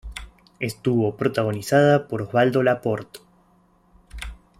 Estuvo protagonizada por Osvaldo Laport.